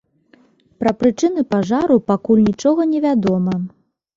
Пра прычыны пажару пакуль нічога невядома.